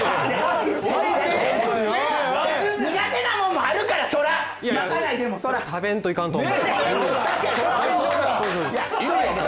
苦手なもんもあるから、まかないでも。